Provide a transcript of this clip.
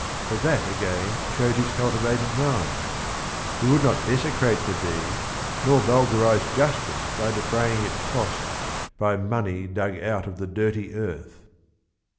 But that again showed his cultivated mind. He would not desecrate the deed, nor vulgarize justice by defraying its cost " by money dug out of the dirty earth."